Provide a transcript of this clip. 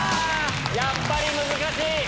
やっぱり難しい！